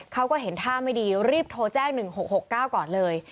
เขาก็เห็นท่าไม่ดีรีบโทรแจ้ง๑๖๖๙ก่อนเลย